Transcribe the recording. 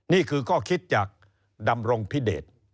นี่คือข้อคิดจากดำรงพิเดช